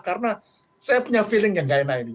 karena saya punya feeling yang gak enak ini